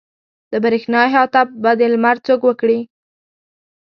د برېښنا احاطه به د لمر څوک وکړي.